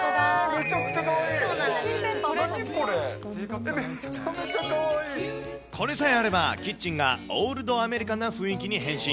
めちゃめちゃかこれさえあれば、キッチンがオールドアメリカンな雰囲気に変身。